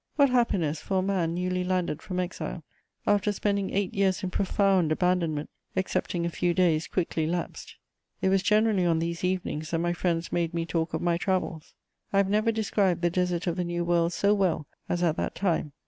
What happiness for a man newly landed from exile, after spending eight years in profound abandonment, excepting a few days quickly lapsed! It was generally on these evenings that my friends made me talk of my travels: I have never described the desert of the New World so well as at that time.